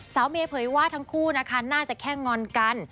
เมย์เผยว่าทั้งคู่นะคะน่าจะแค่งอนกัน